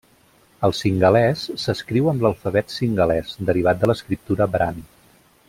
El singalès s'escriu amb l'alfabet singalès, derivat de l'escriptura brahmi.